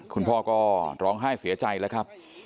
คุณพ่อก็ร้องไห้เสียใจแล้วครับ